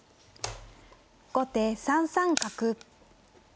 後手３三角。